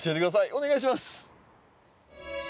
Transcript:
お願いします。